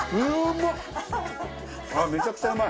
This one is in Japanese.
ああめちゃくちゃうまい。